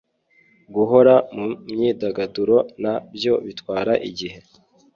guhora mu myidagaduro na byo bitwara igihe